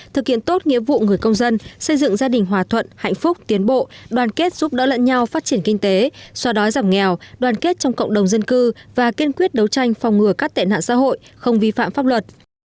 thực hiện tốt nghĩa vụ người công dân xây dựng gia đình hòa thuận hạnh phúc tiến bộ đoàn kết giúp đỡ lẫn nhau phát triển kinh tế xóa đói giảm nghèo đoàn kết trong cộng đồng dân cư và kiên quyết đấu tranh phòng ngừa các tệ nạn xã hội không vi phạm pháp luật